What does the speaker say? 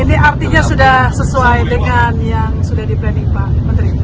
ini artinya sudah sesuai dengan yang sudah di branding pak menteri